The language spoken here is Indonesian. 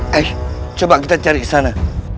hai eh coba kita cari sana